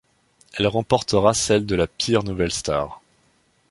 Elle remportera celle de la pire nouvelle star.